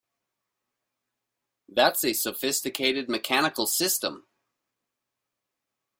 That's a sophisticated mechanical system!